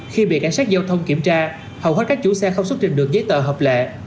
khi bị cảnh sát giao thông kiểm tra hầu hết các chủ xe không xuất trình được giấy tờ hợp lệ